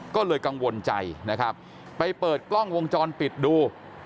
ก็เลยกังวลใจนะครับไปเปิดกล้องวงจรปิดดู